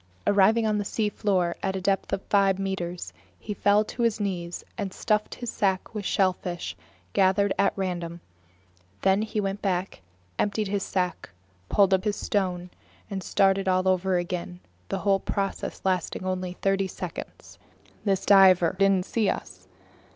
Arriving on the seafloor at a depth of about five meters, he fell to his knees and stuffed his sack with shellfish gathered at random. Then he went back up, emptied his sack, pulled up his stone, and started all over again, the whole process lasting only thirty seconds. This diver didn't see us.